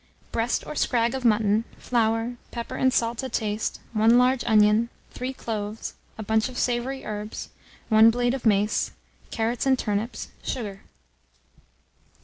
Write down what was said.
Breast or scrag of mutton, flour, pepper and salt to taste, 1 large onion, 3 cloves, a bunch of savoury herbs, 1 blade of mace, carrots and turnips, sugar.